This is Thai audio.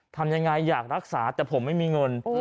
ทำยังไงอยากรักษาแต่ผมไม่มีเงิน